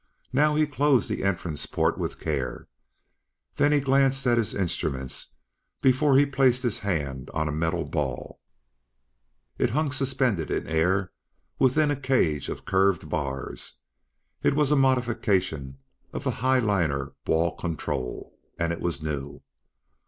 Now he closed the entrance port with care, then glanced at his instruments before he placed his hand on a metal ball. It hung suspended in air within a cage of curved bars. It was a modification of the high liner ball control, and it was new.